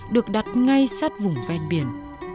được đặt ngay sát vùng ven biển